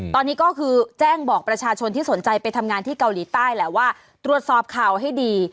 ตอนนี้ก็คือแจ้งบอกประชาชนที่สนใจไปทำงานที่เกาหลีใต้แหละว่าตรวจสอบข่าวให้ดี